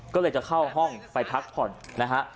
ก็เลยจะเข้าห้องไปพักผ่อนนะฮะ